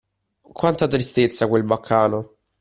Quanta tristezza quel baccano!